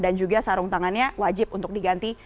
dan juga sarung tangannya wajib untuk diganti